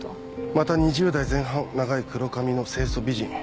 また２０代前半長い黒髪の清楚美人。